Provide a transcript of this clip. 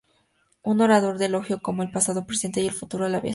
Un orador lo elogió como "el pasado, presente y el futuro de la aviación".